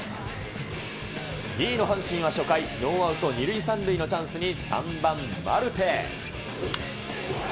２位の阪神は初回、ノーアウト２塁３塁のチャンスに３番マルテ。